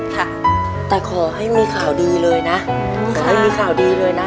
ค่ะแต่ขอให้มีข่าวดีเลยนะขอให้มีข่าวดีเลยนะ